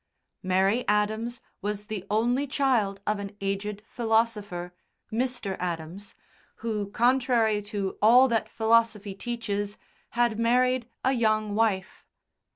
Mary Adams was the only child of an aged philosopher, Mr. Adams, who, contrary to all that philosophy teaches, had married a young wife.